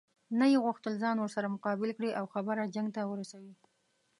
نه یې غوښتل ځان ورسره مقابل کړي او خبره جنګ ته ورسوي.